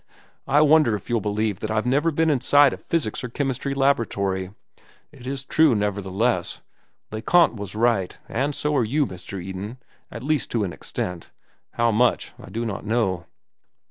I wonder if you'll believe that I've never been inside a physics or chemistry laboratory? It is true, nevertheless. Le Conte was right, and so are you, Mr. Eden, at least to an extent—how much I do not know."